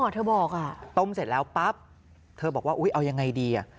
เธอบอกต้มเสร็จแล้วปั๊บเธอบอกว่าเอาอย่างไรดี